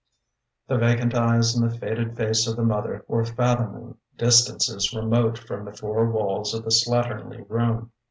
The vacant eyes in the faded face of the mother were fathoming distances remote from the four walls of the slatternly room.